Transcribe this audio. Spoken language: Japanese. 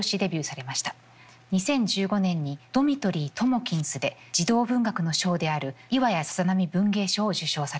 ２０１５年に「ドミトリーともきんす」で児童文学の賞である巌谷小波文芸賞を受賞されました。